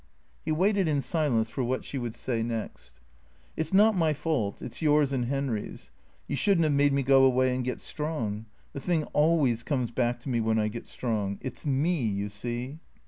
He waited in silence for what she would say next. " It 's not my fault, it 's yours and Henry's. You should n't have made me go away and get strong. The thing always comes back to me when I get strong. It 's me, you see."